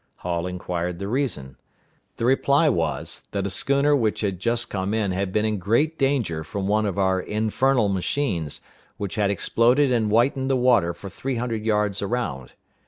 Hall inquired the reason. The reply was, that a schooner which had just come in had been in great danger from one of our infernal machines, which had exploded and whitened the water for three hundred yards around.